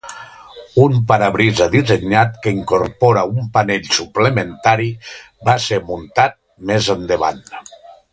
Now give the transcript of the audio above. Un parabrisa dissenyat que incorpora un panell suplementari va ser muntat més endavant.